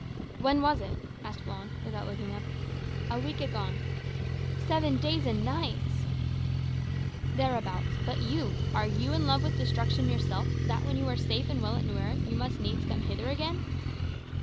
"When was it?" asked Juan, without looking up. "A week agone." "Seven days and nights!" "Thereabouts. But you are you in love with destruction yourself, that, when you were safe and well at Nuera, you must needs come hither again?"